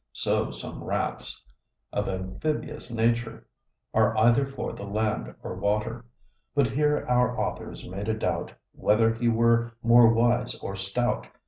So some rats of amphibious nature Are either for the land or water. But here our authors make a doubt, Whether he were more wise, or stout.